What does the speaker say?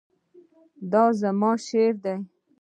دا زما شعر دی